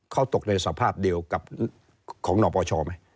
เขาตกในสภาพเดียวกับของนปชไหม